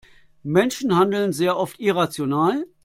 Menschen handeln sehr oft irrational.